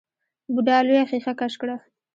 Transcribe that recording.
بوډا لويه ښېښه کش کړه.